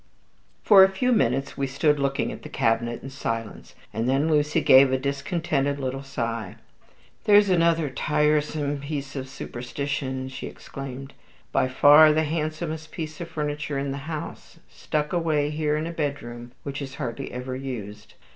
For a few minutes we stood looking at the cabinet in silence, and then Lucy gave a discontented little sigh. "There's another tiresome piece of superstition," she exclaimed; "by far the handsomest piece of furniture in the house stuck away here in a bedroom which is hardly ever used.